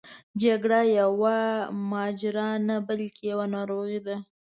جګړه یوه ماجرا نه بلکې یوه ناروغي ده.